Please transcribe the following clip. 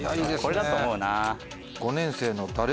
これだと思うな。